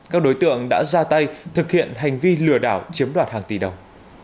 các đối tượng đã ra tay thực hiện hành vi lừa đảo chiếm đoạt hàng tỷ đồng